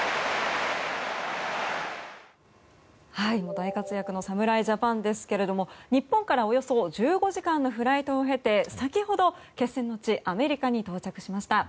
大活躍の侍ジャパンですけども日本からおよそ１５時間のフライトを経て先ほど、決戦の地アメリカに到着しました。